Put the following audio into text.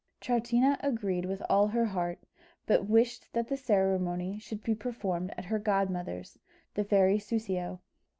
Troutina agreed with all her heart, but wished that the ceremony should be performed at her godmother's, the fairy Soussio.